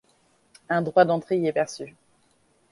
Un droit d'entrée y est perçu.